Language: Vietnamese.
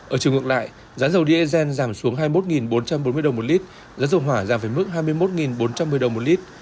ở chiều ngược lại giá dầu diesel giảm xuống hai mươi một bốn trăm bốn mươi đồng một lít giá dầu hỏa giảm về mức hai mươi một bốn trăm một mươi đồng một lít